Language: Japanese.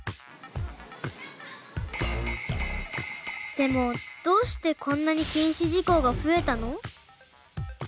でもどうしてこんなに禁止事項が増えたの？